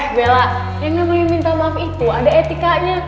bella yang namanya minta maaf itu ada etikanya